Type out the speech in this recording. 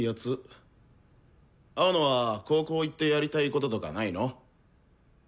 青野は高校行ってやりたいこととかないの？